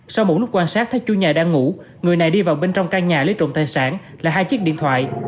sau một lúc quan sát thấy chủ nhà đang ngủ người này đi vào bên trong căn nhà lấy trộm tài sản là hai chiếc điện thoại